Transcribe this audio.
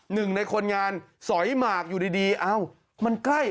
หนึ่งในคนงานสอยหมากอยู่ดีเอ้ามันใกล้